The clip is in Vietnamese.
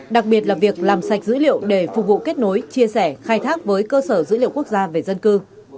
đặc biệt là việc làm sạch dữ liệu để phục vụ kết nối chia sẻ khai thác với cơ sở dữ liệu quốc gia về dân cư